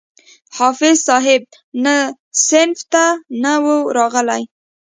حافظ صاحب نه صنف ته نه وو راغلى.